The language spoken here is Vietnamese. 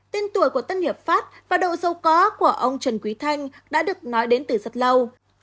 tên tuổi của tân hiệp pháp và độ giàu có của ông trần quý thanh đã được nói đến từ rất lâu